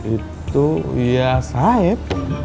itu ya saeb